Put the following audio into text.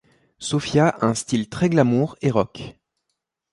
Sophia a un style très glamour et rock.